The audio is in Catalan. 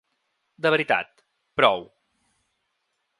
De veritat, prou.